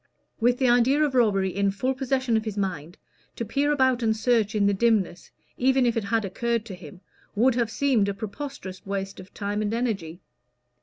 With the idea of robbery in full possession of his mind, to peer about and search in the dimness, even if it had occurred to him, would have seemed a preposterous waste of time and energy.